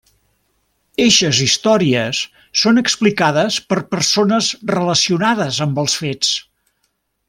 Eixes històries són explicades per persones relacionades amb els fets.